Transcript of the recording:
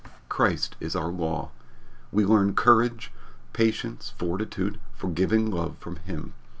Christ is our law. We learn courage, patience, fortitude, forgiving love from him.